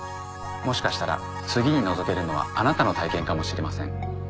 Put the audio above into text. もしかしたら次にのぞけるのはあなたの体験かもしれません。